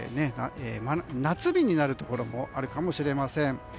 夏日になるところもあるかもしれません。